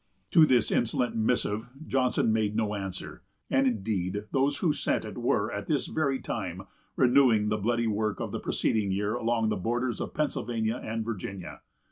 To this insolent missive Johnson made no answer; and, indeed, those who sent it were, at this very time, renewing the bloody work of the preceding year along the borders of Pennsylvania and Virginia.